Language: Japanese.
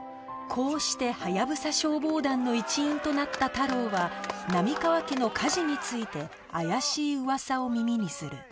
こうしてハヤブサ消防団の一員となった太郎は波川家の火事について怪しい噂を耳にする